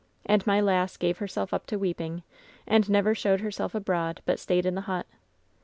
And my lass gave herself up to weeping, and never showed herself abroad, but stayed in the hut.